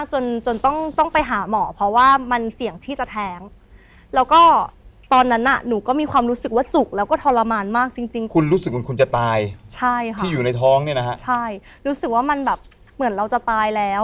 ใช่ค่ะที่อยู่ในท้องเนี่ยนะฮะใช่รู้สึกว่ามันแบบเหมือนเราจะตายแล้ว